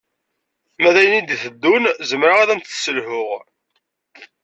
Ma d ayen i d-iteddun zemreɣ ad am-tesselhuɣ